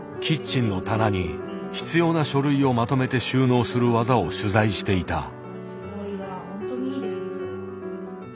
キッチンの棚に必要な書類をまとめて収納する技を取材していた。